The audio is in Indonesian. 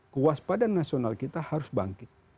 kuas pada nasional kita harus bangkit